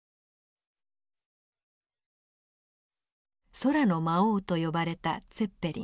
空の魔王と呼ばれたツェッペリン。